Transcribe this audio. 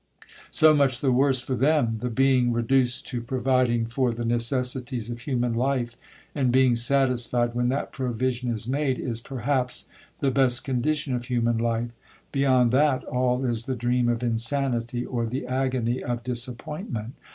So much the worse for them,—the being reduced to providing for the necessities of human life, and being satisfied when that provision is made, is perhaps the best condition of human life—beyond that, all is the dream of insanity, or the agony of disappointment.